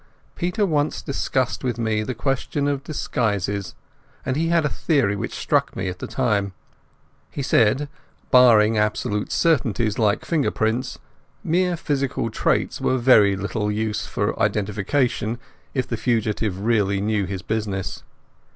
Peter once discussed with me the question of disguises, and he had a theory which struck me at the time. He said, barring absolute certainties like fingerprints, mere physical traits were very little use for identification if the fugitive really knew his business.